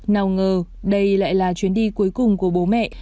nào ngờ đây lại là chuyến đi cuối cùng của bố mẹ